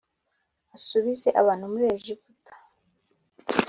asubize abantu muri Egiputa